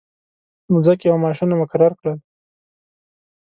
مځکې او معاشونه مقرر کړل.